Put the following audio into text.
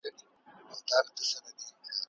افغان کډوال د ډیموکراتیکي رایې ورکولو حق نه لري.